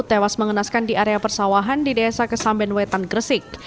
tewas mengenaskan di area persawahan di desa kesambenwetan gresik